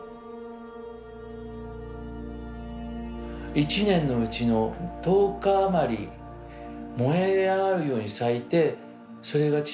一年のうちの十日あまり燃え上がるように咲いてそれが散っていって。